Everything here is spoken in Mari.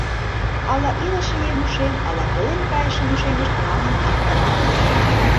Ала илыше еҥ ушем, ала колен кайышын ушемышт», — манын аптырана дыр.